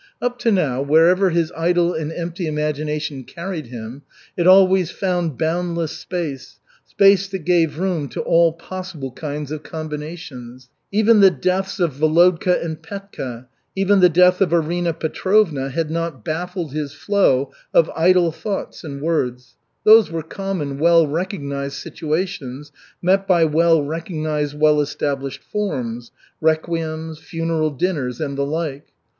Up to now, wherever his idle and empty imagination carried him, it always found boundless space, space that gave room to all possible kinds of combinations. Even the deaths of Volodka and Petka, even the death of Arina Petrovna had not baffled his flow of idle thoughts and words. Those were common, well recognized situations, met by well recognized, well established forms requiems, funeral dinners, and the like.